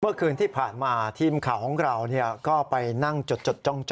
เมื่อคืนที่ผ่านมาทีมข่าวของเราก็ไปนั่งจดจ้อง